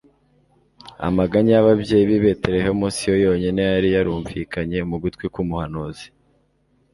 Amaganya y'ababyeyi b'i Betelehemu si yo yonyine yari yarumvikanye mu gutwi k'umuhanuzi,